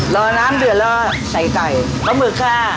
รอน้ำเดือดแล้วก็ใส่ไก่ปลาหมึกค่ะ